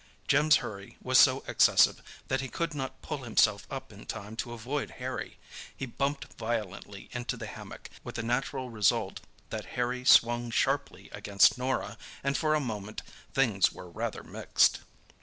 Jim's hurry was so excessive that he could not pull himself up in time to avoid Harry. He bumped violently into the hammock, with the natural result that Harry swung sharply against Norah, and for a moment things were rather mixed.